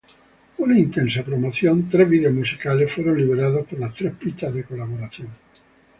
Una intensa promoción, tres videos musicales fueron liberados por las tres pistas de colaboración.